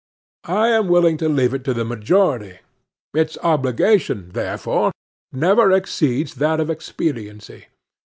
I am willing to leave it to the majority. Its obligation, therefore, never exceeds that of expediency.